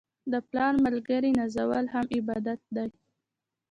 د پلار ملګري نازول هم عبادت دی.